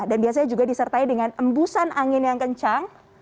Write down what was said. dan biasanya juga disertai dengan embusan angin yang kencang